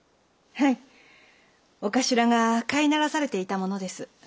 長官が飼いならされていたものです。